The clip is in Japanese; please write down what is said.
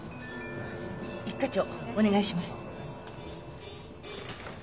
一課長お願いします。